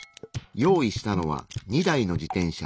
用意したのは２台の自転車。